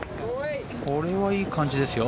これはいい感じですよ。